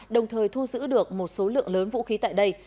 đồng thời thu giữ được một số lượng lớn vũ khí tại đây